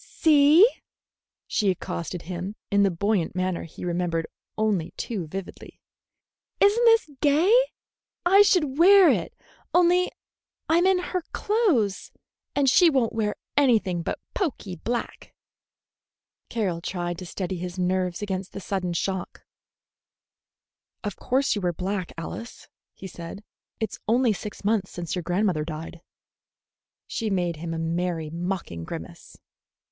"See," she accosted him, in the buoyant manner he remembered only too vividly, "is n't this gay? I should wear it, only I'm in her clothes, and she won't wear anything but poky black." Carroll tried to steady his nerves against the sudden shock. "Of course you wear black, Alice," he said; "it is only six months since your grandmother died." She made him a merry, mocking grimace.